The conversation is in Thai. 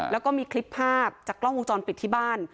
แล้วก็มีคลิปภาพจากกล้องวงจรปิดที่บ้าน